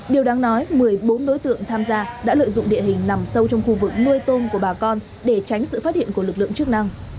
điều đáng nói một mươi bốn đối tượng tham gia đã lợi dụng địa hình nằm sâu trong khu vực nuôi tôm của bà con để tránh sự phát hiện của lực lượng chức năng